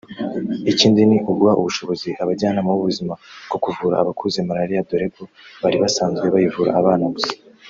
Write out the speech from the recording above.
Ikindi ni uguha ubushobozi abajyanama b’ubuzima bwo kuvura abakuze Malaria dore ko bari basanzwe bayivura abana gusa